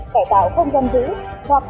kẻ tạo không dân dữ hoặc